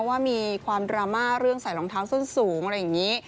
ว่ามีความดราม่าเรื่องใส่รองเท้าส้นสูงอะไรอย่างนี้